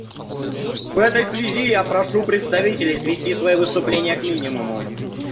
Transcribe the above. В этой связи я прошу представителей свести свои выступления к минимуму.